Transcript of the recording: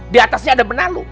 di atasnya ada menalu